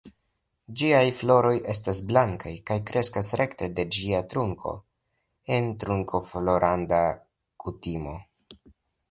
Ĝiaj floroj estas blankaj kaj kreskas rekte de ĝia trunko en trunkoflorada kutimo.